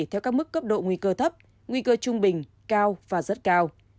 theo các mức cấp độ nguy cơ thấp nguy cơ trung bình cao và rất cao